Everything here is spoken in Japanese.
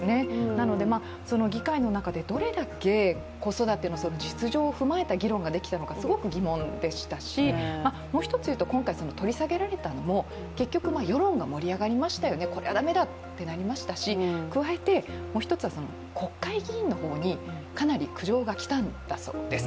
なので議会の中でどれだけ子育ての実情を踏まえた議論ができたのかすごく疑問でしたし、もう一つ言うと、今回取り下げられたのも、結局、世論が盛り上がりましたよね、これは駄目だってなりましたし、加えてもう一つは国会議員の方にかなり苦情が来たんだそうです。